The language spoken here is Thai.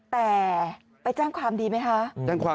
แต่ไปแจ้งความดีไหมคะ